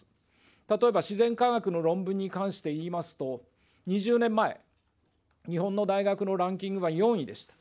例えば、自然科学の論文に関していいますと、２０年前、日本の大学のランキングは４位でした。